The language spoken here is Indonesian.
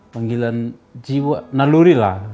panggilan jiwa naluri lah